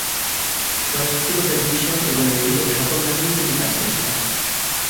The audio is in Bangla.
চলচ্চিত্র, টেলিভিশন এবং রেডিও- সকল মাধ্যমেই তিনি কাজ করেছেন।